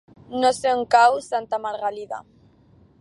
No sé on cau Santa Margalida.